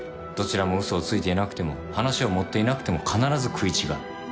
どちらも嘘をついていなくても話を盛っていなくても必ず食い違う。